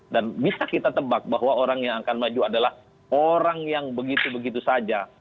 dan bisa kita tebak bahwa orang yang akan maju adalah orang yang begitu begitu saja